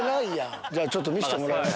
じゃあちょっと見してもらえます？